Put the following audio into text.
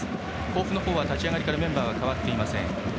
甲府のほうは立ち上がりからメンバーが代わっていません。